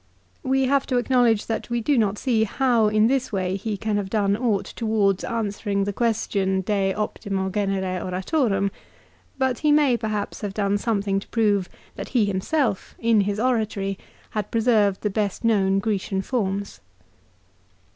We have to acknowledge that we do not see how in this way he can have done aught towards answering the question " Pe Optimo Genere Oratorum "; but he may perhaps have done something to prove that he himself, in his oratory, had preserved the best known Grecian forms.